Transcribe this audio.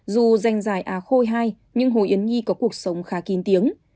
dù danh dài a khôi hai nhưng hồ yến nhi có cuộc sống khá kín tiếng